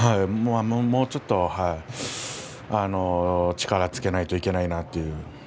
もうちょっと力をつけないといけないなという。